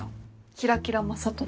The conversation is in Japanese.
キラキラ雅人の。